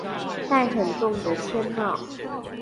戴很重的鉛帽